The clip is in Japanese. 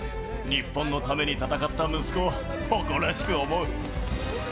日本のために戦った息子を誇らしく思う。